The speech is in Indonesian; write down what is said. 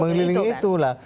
mengelilingi itu lah